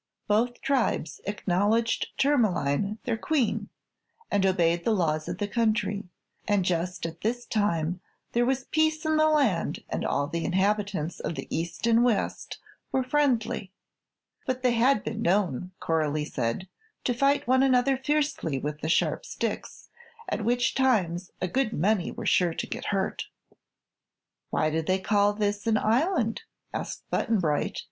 Both Tribes acknowledged Tourmaline their Queen and obeyed the laws of the country, and just at this time there was peace in the land and all the inhabitants of the east and west were friendly. But they had been known, Coralie said, to fight one another fiercely with the sharp sticks, at which times a good many were sure to get hurt. "Why do they call this an Island?" asked Button Bright.